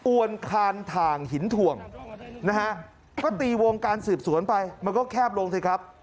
วนคานถ่างหินถ่วงนะฮะก็ตีวงการสืบสวนไปมันก็แคบลงสิครับ